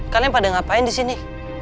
kalian pada ngapain disini